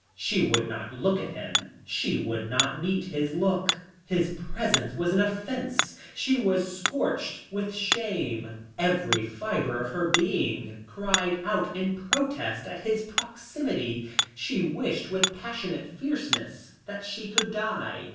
She would not look at him; she would not meet his look. His presence was an offence, she was scorched with shame. Every fibre of her being cried out in protest at his proximity. She wished with passionate fierceness that she could die.